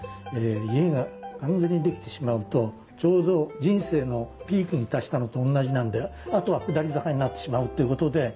家が完全に出来てしまうとちょうど人生のピークに達したのとおんなじなんであとは下り坂になってしまうっていうことで。